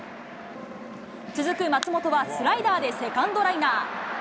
続く松本はスライダーでセカンドライナー。